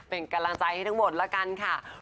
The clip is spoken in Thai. เป็นกำลังใจให้ทั้งหมดแล้วกันค่ะ